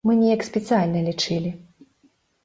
Мы неяк спецыяльна лічылі.